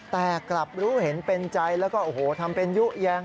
แต่กลับรู้เห็นเป็นใจแล้วก็โอ้โหทำเป็นยุแยง